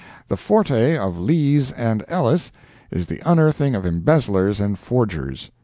The forte of Lees and Ellis, is the unearthing of embezzlers and forgers.